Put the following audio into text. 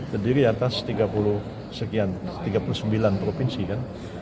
terdiri atas tiga puluh sekian tiga puluh sembilan provinsi kan